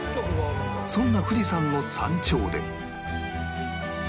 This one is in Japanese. そんな富士山の山頂で